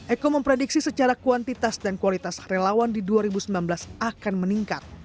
eko memprediksi secara kuantitas dan kualitas relawan di dua ribu sembilan belas akan meningkat